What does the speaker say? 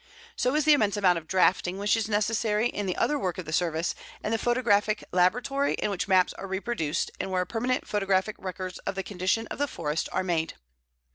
So is the immense amount of drafting which is necessary in the other work of the Service, and the photographic laboratory in which maps are reproduced and where permanent photographic records of the condition of the forest are made.